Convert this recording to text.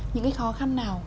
những cái khó khăn nào